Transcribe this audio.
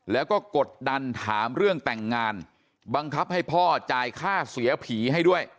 แล้วก็กดดันถามเรื่องแต่งงานบังคับให้พ่อจ่ายค่าเสียผีให้ด้วย